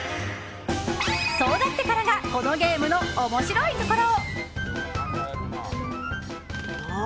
そうなってからがこのゲームの面白いところ。